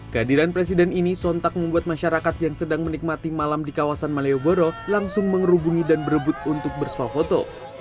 kehadiran presiden ini sontak membuat masyarakat yang sedang menikmati malam di kawasan malioboro langsung mengerubungi dan berebut untuk bersuah foto